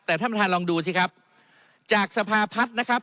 แต่ท่านประธานลองดูสิครับจากสภาพัฒน์นะครับ